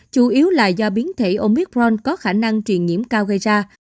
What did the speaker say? chủ yếu là do biến thể omicron có khả năng truyền nhiễm cao gây ra